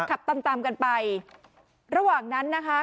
ขับตามตามกันไประหว่างนั้นนะคะ